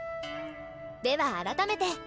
では改めて。